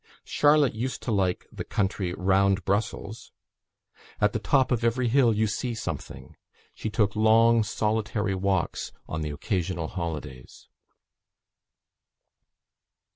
Charlotte used to like the country round Brussels. 'At the top of every hill you see something.' She took, long solitary walks on the occasional holidays."